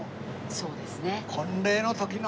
そうですね。